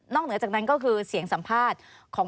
เหนือจากนั้นก็คือเสียงสัมภาษณ์ของ